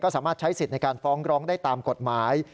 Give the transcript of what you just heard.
สามารถใช้สิทธิ์ในการฟ้องร้องได้ตามกฎหมาย